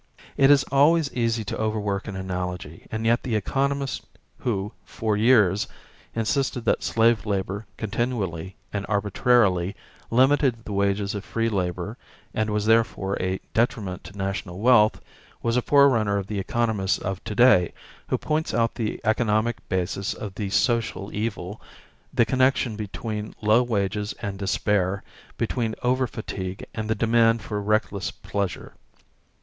It is always easy to overwork an analogy, and yet the economist who for years insisted that slave labor continually and arbitrarily limited the wages of free labor and was therefore a detriment to national wealth was a forerunner of the economist of to day who points out the economic basis of the social evil, the connection between low wages and despair, between over fatigue and the demand for reckless pleasure.